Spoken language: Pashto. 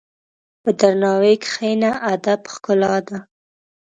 په درناوي کښېنه، ادب ښکلا ده.